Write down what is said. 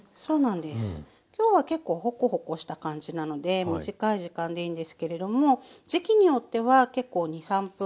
今日は結構ホコホコした感じなので短い時間でいいんですけれども時期によっては結構２３分。